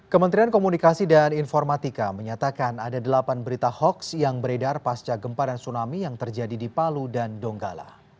kementerian komunikasi dan informatika menyatakan ada delapan berita hoaks yang beredar pasca gempa dan tsunami yang terjadi di palu dan donggala